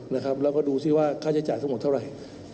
แล้วก็ดูซิว่าค่าใช้จ่ายทั้งหมดเท่าไหร่